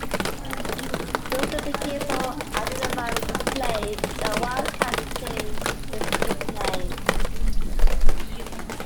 Wilson became so identified with the play that "Wildcat" became his nickname.